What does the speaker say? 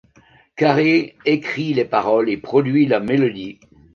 Carey écrit les paroles et produit la mélodie.